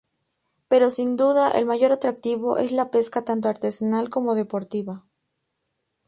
Pero sin duda el mayor atractivo es la pesca tanto artesanal como deportiva.